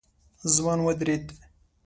ځوان ودرېد.